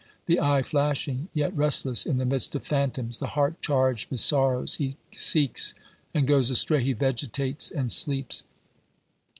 The eye flashing, yet rest less in the midst of phantoms, the heart charged with sorrows, he seeks and goes astray, he vegetates and sleeps.